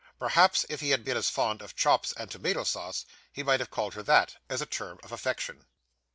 Perhaps if he had been as fond of chops and tomato sauce, he might have called her that, as a term of affection.